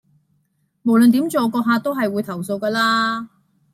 無論點做個客都係會投訴㗎啦